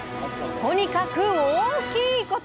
とにかく大きいこと！